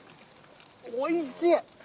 おいしい。